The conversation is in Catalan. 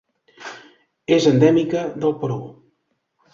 És endèmica del Perú.